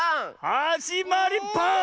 「はじまりバーン」！